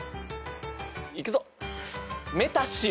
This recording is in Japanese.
いくぞ。